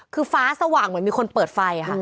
คือฟ้าสว่างเหมือนมีคนเปิดไฟค่ะ